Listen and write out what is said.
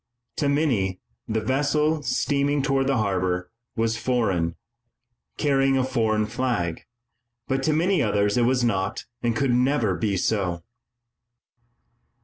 To many the vessel, steaming toward the harbor, was foreign, carrying a foreign flag, but to many others it was not and could never be so.